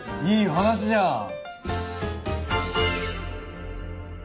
いい話じゃん！